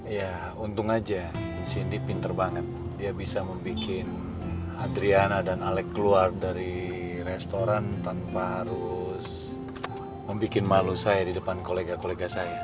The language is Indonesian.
ya untung aja cindy pinter banget dia bisa membuat adriana dan alec keluar dari restoran tanpa harus membuat malu saya di depan kolega kolega saya